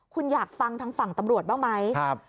คุณอยากฟังทางฝั่งตำรวจบ้างไหม